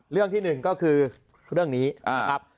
เรื่องที่หนึ่งก็คือเรื่องนี้นะครับ